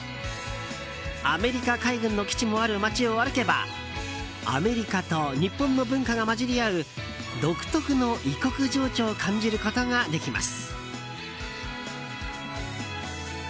アメリカ海軍の基地もある街を歩けばアメリカと日本の文化が混じり合う独特の異国情緒を感じることができます。